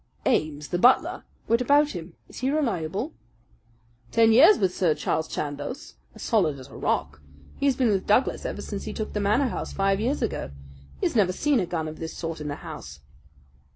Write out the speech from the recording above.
"Ames, the butler " "What about him? Is he reliable?" "Ten years with Sir Charles Chandos as solid as a rock. He has been with Douglas ever since he took the Manor House five years ago. He has never seen a gun of this sort in the house."